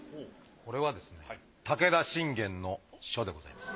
これはですね武田信玄の書でございます。